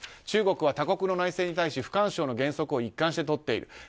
中国は他国の内政に対し不干渉の原則を一貫してとっている。